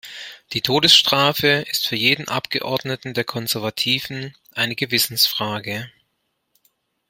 Die Todesstrafe ist für jeden Abgeordneten der Konservativen eine Gewissensfrage.